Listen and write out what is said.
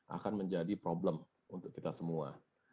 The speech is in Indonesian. akan menjadi problem untuk kita semua